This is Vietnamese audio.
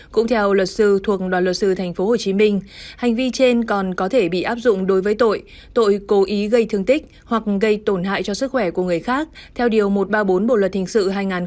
cũng theo luật sư thuộc đoàn luật sư tp hcm hành vi trên còn có thể bị áp dụng đối với tội tội cố ý gây thương tích hoặc gây tổn hại cho sức khỏe của người khác theo điều một trăm ba mươi bốn bộ luật hình sự hai nghìn một mươi năm